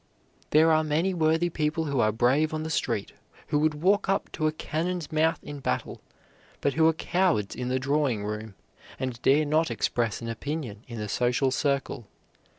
There are many worthy people who are brave on the street, who would walk up to a cannon's mouth in battle, but who are cowards in the drawing room, and dare not express an opinion in the social circle.